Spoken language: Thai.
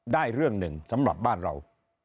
ได้เรื่องหนึ่งสำหรับบ้านเรา